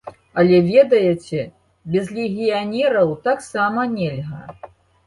Але ведаеце, без легіянераў таксама нельга.